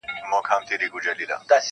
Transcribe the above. o خو ذهنونه زخمي پاتې وي ډېر,